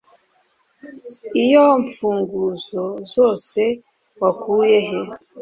Iyo mfunguzo zose wakuye he